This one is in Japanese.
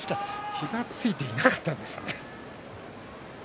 気が付いていなかったんですね。